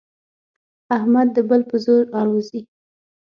احمد د بل په زور الوزي.